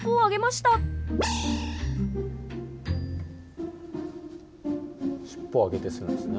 しっぽを上げてするんですね。